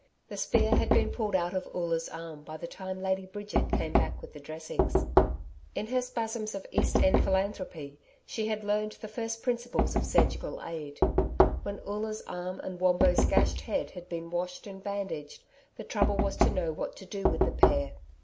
The spear had been pulled out of Oola's arm by the time Lady Bridget came back with the dressings. In her spasms of East End philanthropy she had learned the first principles of surgical aid. When Oola's arm and Wombo's gashed head had been washed and bandaged, the trouble was to know what to do with the pair.